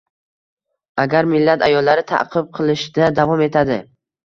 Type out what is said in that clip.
Agar millat ayollari ta'qib qilinishda davom etadi